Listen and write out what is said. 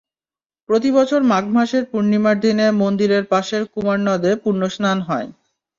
প্রতিবছর মাঘ মাসের পূর্ণিমার দিনে মন্দিরের পাশের কুমার নদে পুণ্যস্নান হয়।